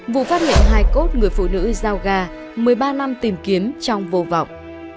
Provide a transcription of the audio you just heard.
vụ phát hiện hai cốt người phụ nữ giao ga một mươi ba năm tìm kiếm trong vô vọng